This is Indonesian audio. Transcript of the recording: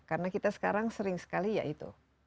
karena kita sekarang sering sekali ya itu